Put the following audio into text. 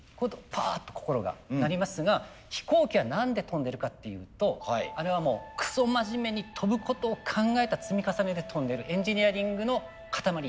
パーッと心がなりますが飛行機は何で飛んでるかっていうとあれはもうくそ真面目に飛ぶことを考えた積み重ねで飛んでるエンジニアリングの塊。